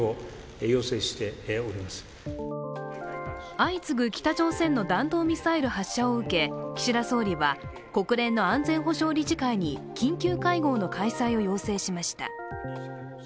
相次ぐ北朝鮮の弾道ミサイル発射を受け、岸田総理は国連の安全保障理事会に緊急会合の開催を要請しました。